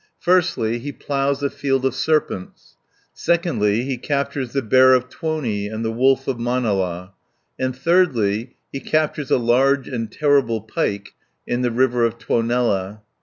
Firstly, he ploughs a field of serpent, secondly, he captures the Bear of Tuoni and the Wolf of Manala, and thirdly, he captures a large and terrible pike in the river of Tuonela (33 344).